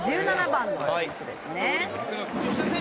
１７番の選手ですね」